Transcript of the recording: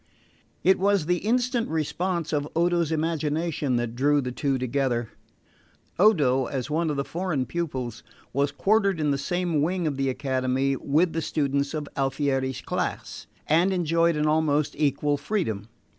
It was the instant response of Odo's imagination that drew the two together. Odo, as one of the foreign pupils, was quartered in the same wing of the Academy with the students of Alfieri's class, and enjoyed an almost equal freedom.